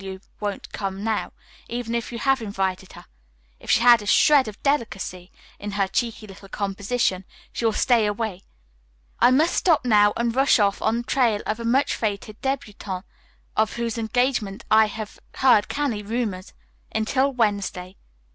W. won't come now, even if you have invited her. If she has a shred of delicacy in her cheeky little composition, she will stay away. "I must stop now and rush off on the trail of a much feted debutante of whose engagement I have heard canny rumors. Until Wednesday.